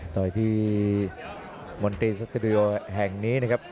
ต่อยที่มนตรีสตูดิโอแห่งนี้นะครับ